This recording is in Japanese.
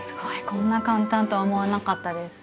こんな簡単とは思わなかったです。